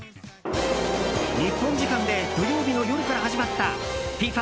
日本時間で土曜日の夜から始まったＦＩＦＡ